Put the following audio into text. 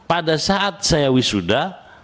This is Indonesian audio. pada saat saya wisuda